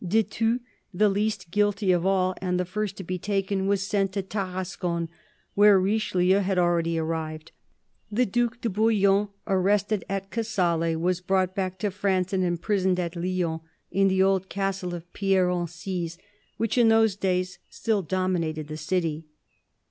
De Thou, the least guilty of all and the first to be taken, was sent to Tarascon, where RicheHeu had already arrived. The Due de Bouillon, arrested at Casale, was brought back to France and imprisoned at Lyons in the old castle of Pierre Encise, which in those days still dominated the city.